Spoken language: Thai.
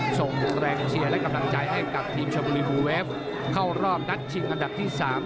ส่งแรงเชียร์และกำลังใจให้กับทีมชมบุรีบูเวฟเข้ารอบนัดชิงอันดับที่๓